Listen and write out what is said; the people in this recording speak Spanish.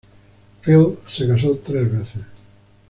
Field se casó tres veces.